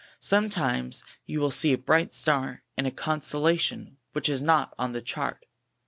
Sometimes you will see a bright star in a constellation which is not on the chart.